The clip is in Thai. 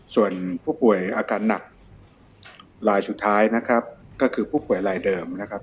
ส่วนผู้ป่วยอาการหนักลายสุดท้ายนะครับก็คือผู้ป่วยลายเดิมนะครับ